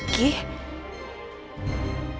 nggak meinen juara